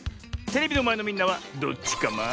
テレビのまえのみんなはどっちカマ？